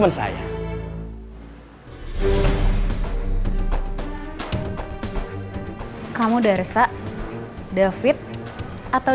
anda saja harus berbicara sama d'aveen